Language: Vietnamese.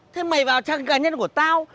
thế mày vào trang cá nhân của tao